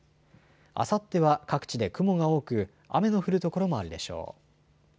あさっては各地で雲が多く雨の降る所もあるでしょう。